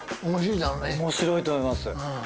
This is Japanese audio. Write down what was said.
面白いと思います。